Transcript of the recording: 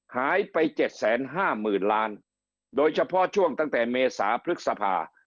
หายไป๗๕๐๐๐ล้านโดยเฉพาะช่วงตั้งแต่เมษาพฤษภา